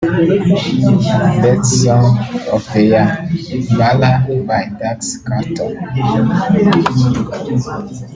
Best Song of the year- Baala by Daxx Kartel